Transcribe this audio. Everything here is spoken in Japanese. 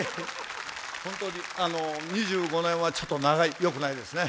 本当に、２５年は長い、ちょっとよくないですね。